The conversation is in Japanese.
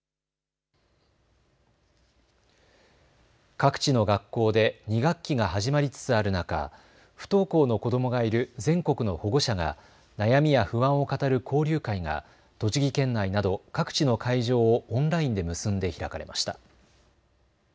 各地の学校で２学期が始まりつつある中、不登校の子どもがいる全国の保護者が悩みや不安を語る交流会が栃木県内など各地の会場をオンラインで結んで開かれました。